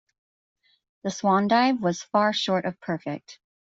The swan dive was far short of perfect.